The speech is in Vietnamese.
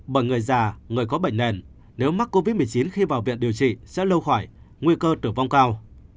bởi người già người có bệnh nền nếu mắc covid một mươi chín khi vào viện điều trị sẽ lâu khỏi nguy cơ tử vong cao